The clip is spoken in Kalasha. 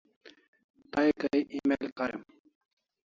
Tay kay email karim